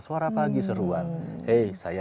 suara pagi seruan hey saya